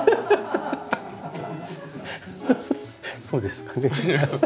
そうですよね。